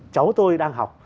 cháu tôi đang học